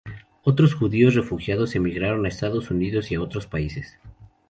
Otros judíos refugiados emigraron a Estados Unidos y a otros países.